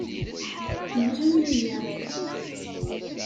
Ḥemmlen aya.